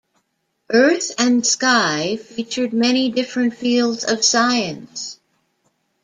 "Earth and Sky" featured many different fields of science.